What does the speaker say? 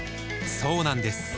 そうなんです